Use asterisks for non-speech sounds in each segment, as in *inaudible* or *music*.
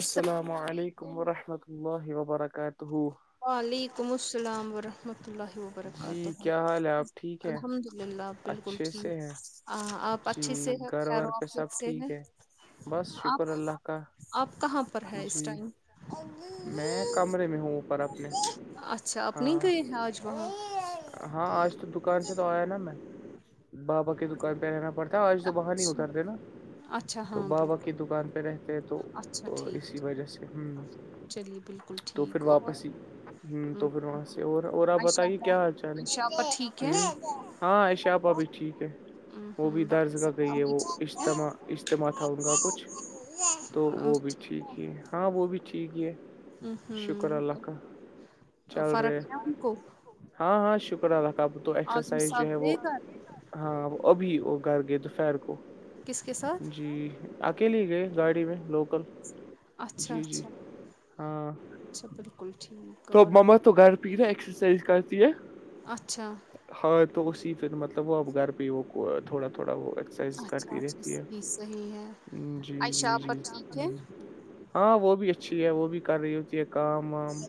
السلام علیکم ورحمۃ اللہ وبرکاتہ وعلیکم السلام ورحمۃ اللہ وبرکاتہ الحمد اللہ الحمد اللہ بالکل ٹھیک آپ اچھھی سے ہیں خیرو آفس سے ہیں آپ آپ کہاں پر ہیں اس ٹائم میں کمرے میں ہوں اوپر اپنے اچھا اپ نہیں گئے ہیں آج کو ہاں آج تو دکان سے تو آیا نا میں بابا کی دکان پہ رہنا پڑتا آج تو باہر نہیں اترتے نا تو بابا کی دکان پہ رہتے ہیں تو اسی وجہ سے ہوں تو پھر واپسی ہی ہ تو پھر وہاں سے اور اور آپ بتائیے کیا حال چال ہے ہ ہاں ایشاپا بھی ٹھیک ہے ہ ہ ب *unintelligible* کہی ہے وہ اجتما اجتماع تھا ان کا کچھ تو وہ بھی ٹھیک ہاں وہ بھی ٹھیک ہے ہ ہاں چل رہے ہاں ہاں شکر الہ کاب تو ایکسرسائز جو ہے وہ ہاں وہ ابھی وہ گھر گئے دوپہر کو جی اکیلیے ہی گئے گاڑی میں لوکل اچھا اچھا اچھا بالکل ٹھیک تو مما تو گھر پہ رہ ایکسرسائز کرتی ہے ہاں تو اسی پھر مطلب وہ اب گھر پہ ہی ہو تھوڑا تھوڑا وہ ایکسرسائز کرتی رہتی ہے جی جی جی ہ ج ہاں وہ بھی اچھی ہے وہ بھی کر رہی ہوتی ہے کام وام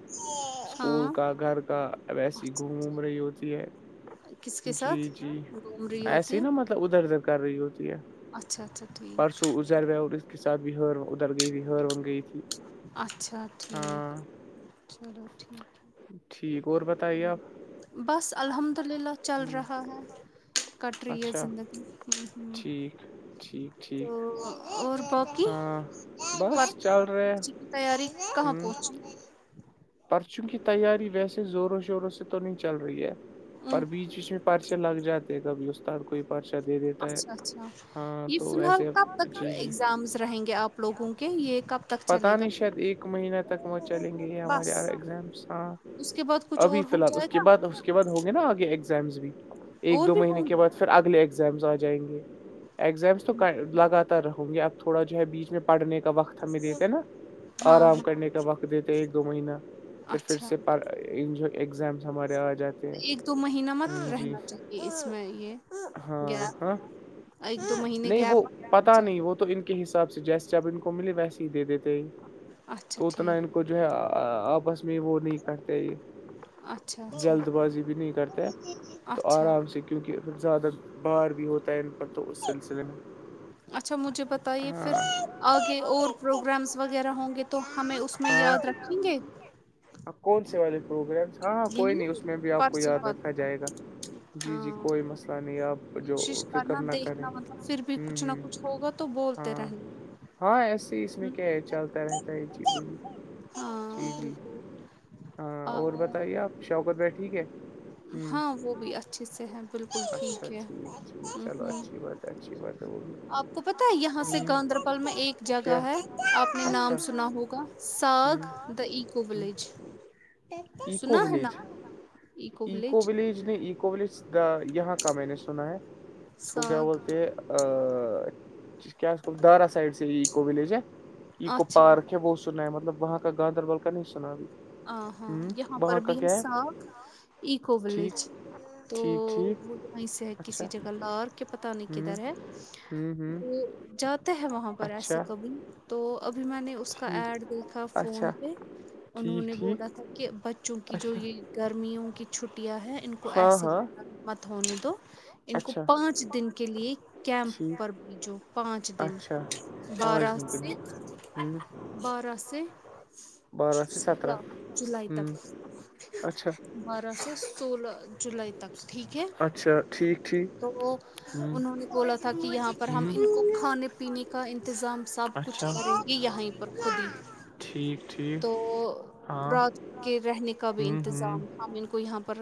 اسکول کا گھر کا ا ایسی گھوم ووم رہی ہوتی ہے جی جی ایسے ہی نا مطلب ادھر ادھر کر رہی ہوتی ہے پرسوں ازار و اوری کے ساتھ بھی ہور ادھر گئی تھی ہر ون گئی تھی ہاں چلو ٹھیک بس الحمدلہ چل رہا ہے کٹ رہی ہے زندگی ٹھیک ٹھیک ٹھیک اور بہت ہاں بس چل رہے تیاری کہاں پہنچی پرچوں کی تیاری ویسے زوروں شوروں سے تو نہیں چل رہی ہے پر بیچ بیچ میں پرچے لگ جاتے کبھی استاد کوئی پرچہ دے دیتا ہے ہاں تو ویسے اب جی جی پتا نہیں شاید ایک مہینہ تک وہ چلیں گے یہ ہمارے آ ایگزامس ہاں ابھی فی الحال اس کے بعد اس کے بعد ہوں گے نا آگے ایگزامس بھی ایک دو مہینے کے بعد پھر اگلے ایگزامس آ جائیں گے اگزامس تو لگاتار رہوں گی اب تھوڑا جو ہے بیچ میں پڑھنے کا وقت ہمیں دیتے نا آرام کرنے کا وقت دیتے ایک دو مہینہ اچھا ایک دو مہینہ مت رہنا چاہیے اس میں یہ گ نہیں وہ پتا نہیں وہ تو ان کے حساب سے جیسے جب ان کو ملے ویسے ہی دے دیتے ہیں تو اتنا ان کو جو ہے آپ آپس میں وہ نہیں کرتے یہ اچھا اچھا اچھا کیونکہ زیادہ بار بھی ہوتا ہے سل سے نا اچ اچھا مجھے بتائیے پھر آگے اور پروگرامس وغیرہ ہوں گے تو ہمیں اس میں یاد رکھ ج گ پ کون سے والے پروگرام ہاں ہاں کوئی نہیں اس میں بھی آپ کو یاد رکھا جائے گا جی جی کوئی مسئلہ نہیں آپ جو فکر نہ کرے ہ ہ ہاں ہاں ایسے ہی اس میں کیا ہے چلتا رہتا ہے یہ چیزیں بھی جی جی ہاں اور بتائیے آپ شوکر بہ ٹھیک ہے ہاں وہ بھی اچھے سے ہیں بالکل ٹھیک ہے ہ آپ کو پت ہے یہاں سے گاندربل میں ایک جگہ ہے آپ نے نام سنا ہو ساگ دا ایکو ولیج اک ولیج اک ولیج نے ایک ولیج یہاں کا میں نے سنا ہے اس کو کیا بولتے ہیں کیا اس دارا سائڈ سے یہ اکو ولیج ہے اکو پارک ہے وہ سنا ہے مطلب وہاں کا گاندربل کا نہیں سنابھی ہ ہاں یہاں پر بھی ساگ ایکو ولیج تو وہ وہیں سے ہے کسی جگہ اور کیا پت نہیں کدھر ہے ج تو ہے وہاں پر ایسے کبھی تو ابھی میں نے اس کا ایڈ دیکھا فون پہ انہوں نے بولا تھا کہ بچوں کی جو یہ گرمیوں کی چھٹیاں ہیں ان کو ایسی مت ہونے دو ان کو پانچ دن کے لیے کیمپ پر بھیجو پانچ دن بارہ بارہ سے سولہ جلائی تک بارہ سو سولہ جولائی تک ٹھیک ہے تو وہ انہوں نے بولا تھا کہ یہاں پر ہم ان کو کھانے پینے کا انتظام سب کچھ کرو گی یہیں پر خود ہی ٹھیک ٹھیک تو رات کے رہنے کا بھی انتظام ہم ان کو یہاں پر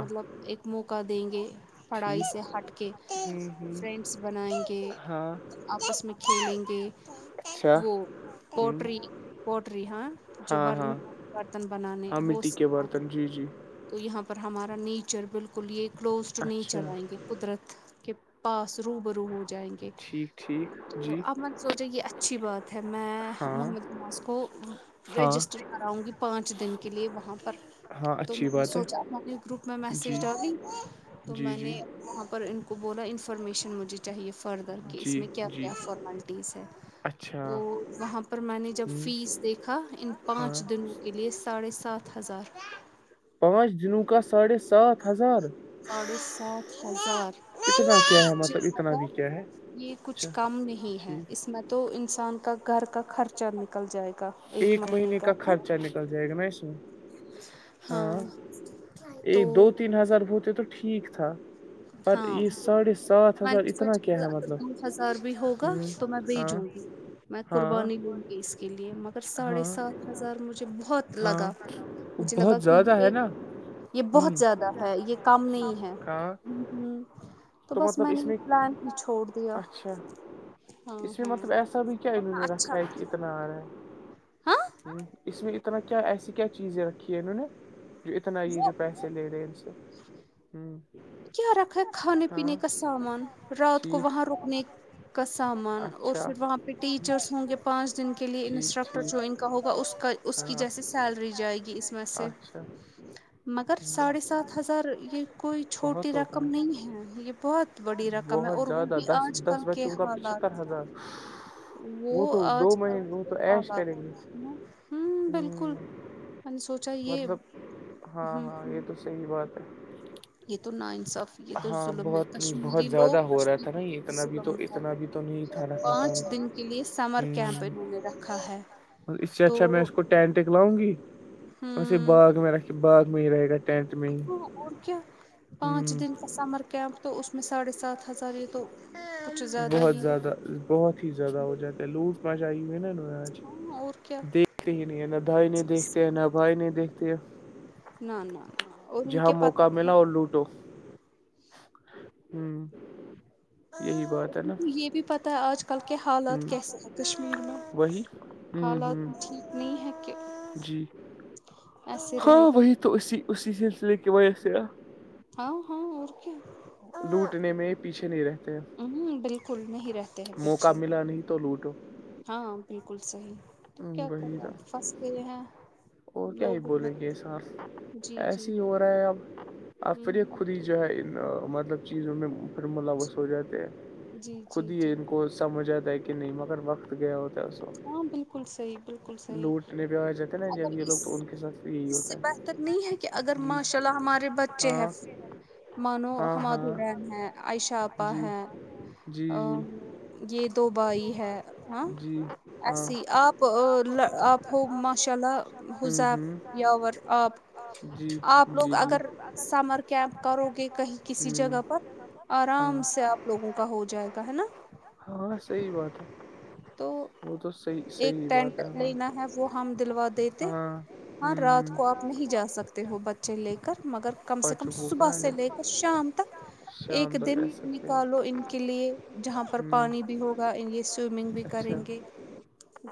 مطلب ایک موقع دیں گے پڑھائی سے ہٹ کے فرینڈس بنائیں گے آپس میں کھیلیں گے وہ پوٹری پوٹری ہاں جو م برتن بنانے وہ تو یہاں پر ہمارا نیچر بالکل یہ کلوز ٹو نیچر آئے گا قدرت کے پاس رو برو ہو جائیں گے ٹھیک ٹھیک تو اب م نے سوچے یہ اچھی بات ہے میں محمد عوس کو رجسٹر کراؤں گی پانچ دن کے لیے وہاں پر تو میں نے سوچا میںنے گروپ میں میسیج ڈالی تو میں نے وہاں پر کو بولا انفارمیشن مجھے چاہیے فردر کہ اس میں کیا کیا فارملٹیز ہے تو وہاں پر میں نے جب فیس دیکھا ان پانچ دنوں کے لیے ساڑھے سات ہزار پانچ دنوں کا ساڑھے سات ہزار سااتھ ہزار اتنا کیا ہے مطلب اتنا بھی کیا ہے یہ کچھ کم نہیں ہے اس میں تو انسان کا گھر کا خرچہ نکل جائے گا ایک مہینے کا خرچہ نکل جائے گا نا اس میں ہاں ایک دو تین ہزار بہتے تو ٹھیک تھا ہاں میں نے سوچا ا دو ہزار بھی ہوگا تو میں بھیجوں گی میں قربانی دوں گی اس کے لیے مگر ساڑھے سات ہزار مجھے بہت لگا مجھے لگا کہ ایک یہ بہت زیادہ ہے یہ کم نہیں ہے ہ ہ تو بس میں نے یہ پلان ہی چھوڑ دیا اس میں مطلب ایسا بھی کیا انہوں نے رکھا ہے کہ اتنا آ رہا ہے ہ اس میں اتنا کیا ایسی کیا چیزیں رکھی ہے انہوں نے جو اتنا یہ جو پیسے ے لے رہے ہیں ان سے ہوں کیا رکھا کھانے پینے کا سامان رات کو وہاں رکنے کا سامان اور پھر وہاں پہ ٹیچرس ہوں گے پانچ دن کے لیے انسٹرکٹر جوائن کا ہوگا اس کا اس کی جیسے سیلری جائے گی اس میں سے اچھا مگر ساڑھے سات ہزار یہ کوئی چھوٹی رقم نہیں ہے یہ بہت بڑی رقم ہے اور وہ بھی آج کل کے حالات وہ آج کل کے حالات ہ بالکل ان نے سوچا یہ ہاں ہاں یہ تو صحی بات ہے تو ناانصاف یہ تو ظلم ہے کشمیری لوگ کش ظلم کر رہے ہیں پانچ دن کے لیے سمر کیمپ انہوں نے رکھا ہے اس سے اچھا میں اس کو ٹینٹک لاؤں گی ویسے باغ میں رکھ باغ میں ہی رہے گا ٹینت میں پانچ دن تو اس میں ساڑھے سات ہزار یہ تو بہت زیادہ بہت ہی زیادہ ہو جاتے لوٹ سمجھ آئی ہوئے انہیں آج دیکھتے ہی نہیں ہے نہ دائیں نہیں دیکھتے ہیں نہ بائیں نہیں دیکھتے ت نہ نہ اور ان کے پتا لوٹو ہ م یہ بھی پت ہے آج ک کل کے حالات کیسے ہیں کشمیر میں حالات ٹھیک نہیں ہے ایسے رہے گا اسی سلسلے کی وجہ سے ہاں ہاں اور کیا لوٹنے میں ہی پیچھے نہیں رہتے ہیں ہوں بالکل نہیں رہا پیچھے ہاں بالکل صحیح تو کیا کریں اب پھنس گیے ہیں لوگ مت جی جی میں اب اب پھر خود ہی جو ہے ان مطلب چیزوں میں پھر ملوث ہو جاتے ہیں خود ہی ان کو سمجھ آتا ہے کہ نہیں مگر وقت گیا ہوتا ہے اس وقت بالکل صحیح بالکل صحیح اگر اس اس سے بہتر نہیں ہے کہ اگر ماشاء اللہ ہمارے بچے ہیں مانو حماد الرین ہیں عائشہ آپا ہیں یہ دو بھائی ہے ہاں ایسی آپ آپ ہو ماشاء اللہ حذیف یاور آپ آپ لوگ اگر سمر کیمپ کرو گے کہیں کسی جگہ پر آرام سے آپ لوگوں کا ہو جائے گا ہے نا صحیح بات ہے تو وہ تو ایک ٹینٹ لینا ہے وہ ہم دلوا دیتے ہاں رات کو آپ نہیں جا سکتے ہو بچے لے کر مگر کم سے کم صبح سے لے کر شام تک ایک دن نکالو ان کے لیے جہاں پر پانی بھی ہوگا وہ یہ سوئمنگ بھی کریں گے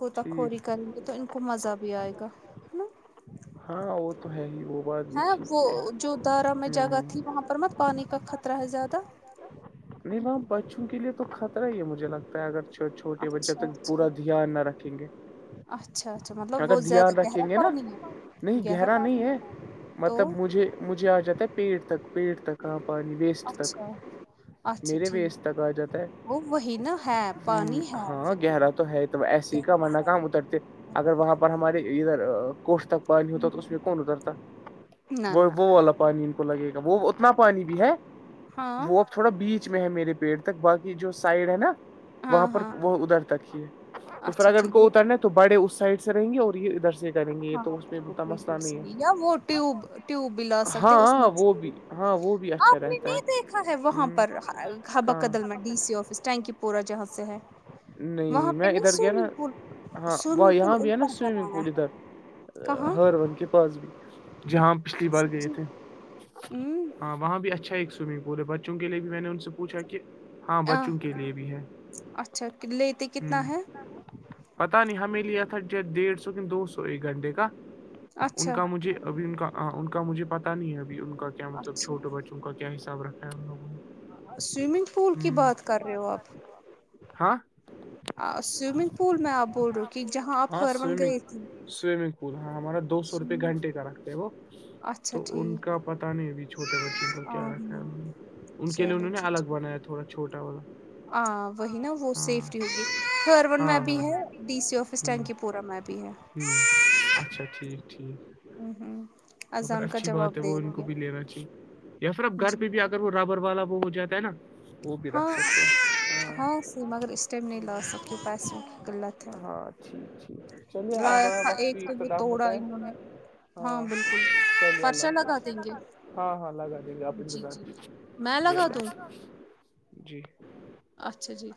گوتاخوری کریں گے تو ان کو مزہ بھی آئے گا ہاں وہ تو ہے ہی وہ ہاں وہ جو دارا میں جگہ تھی وہاں پر مت پانی کا خطرہ ہے زیادہ نہیں وہاں بچوں کے لیے تو خطرہ ہی ہے مجھے لگتا ہے اگر چھوٹے بچوں تک پورا دھیان نہ رکھیں گے اگر دھیان رکھیں گے نا نہیں گہرا نہیں ہے مطلب مجھے مجھے آ جاتا ہے پیٹ تک پیٹ تک ہاں پانی ویسٹ تک میرے بھی ویسٹ تک آ جاتا ہے وہ وہی نا ہے ہمم ہاں گہرا تو ہے تو ایسے ہی کہاں نہ ورنہ اترتے اگر وہاں پر ہمارے ادھر کوٹھ تک پانی ہوتا تو اس میں کون اترتا وہ والا پانی ان کو لگے گا وہ اتنا پانی بھی ہے وہ تھوڑا بیچ میں ہے میرے پیٹ تک باقی جو سائڈ ہے نا وہاں پر وہ ادھر تک ہی ہے تو پھر اگر ان کو اترنا ہے تو بڑے اس سائڈ سے رہیں گے اور یہ ادھر سے ہاں بالکل بالکل صحیح ہے وہ ٹیوب ٹیوب بھی لا سکتے ہیں اس میں آپ نے نہیں دیکھا ہے وہاں پر حبہ کدل منڈ ڈی سی آفس ٹینکی پورا جہاز سے ہے نہیں میں ادھر گیا نا ہاں یہاں بھی ہے نا سوئمنگ پول ادھر ہر ون کے پاس بھی جی ہاں پچھلی بار گئے تھے ہاں وہاں بھی اچھا ایک سوئمنگ پول ہے بچوں کے لیے بھی میں نے ان سے پوچھا کہ ہاں بچوں کے لیے بھی ہے اچھا لیتے کتنا ہے پتا نہیں ہمیں لیا تھا ڈیڑھ سو دو سو ایک گھنٹے کا ان کا مجھے ابھی ان کا ان کا مجھے پتا نہیں ہے اب ان کا کیا مطلب چھوٹے بچوں کا کیا حساب رکھا ہے ان لوگوں نے سوئمنگ پول کی بات کر رہے ہو آپ ہاں سوئمنگ پول میں آپ بول رہے ہو کہ جہاں آپ ہر وون گئے تھھی سوئمنگ پول ہاں ہمارا دو سو روپئے گھنٹے کا رکھتے ہیں وہ تو ان کا پتا نہیںبھی چھوٹے بچوں کو کیا رکھا ہے ہم نے ان کے لیے انہوں نے الگ بنایا تھوڑا چھوٹا والا ہ وہی نا وہ سیفٹی ہوگی پھر ارون میںیپ بھی ہے ڈی سی آفس ٹینکی پورا میںیپ بھی ہے اچھا ٹھیک ٹھیک ہ ہوں تو پھر اچھی بات ہے وہ ان کو بھی لینا چاہیے یا پھر اب گھر پہ بھی اگر وہ ربر والا وہ ہو جاتا ہے نا ہاں ہاں مگر اسٹٹیم نہیں لا سکے پیسوں کی قلت ہے ہاں ٹھیک ٹھیک چلیے آ بڑا وقت کی اختدام ہوتا ہے ہاں چلیے اللہ حافظ ہاں ہاں لگا دیں گے آپ انتظار کیجیے جی اللہ جی اچھا جی